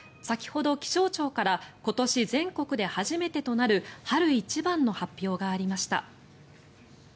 先ほど気象庁から今年全国で初めてとなる春一番の発表がありました。